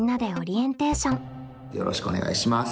よろしくお願いします。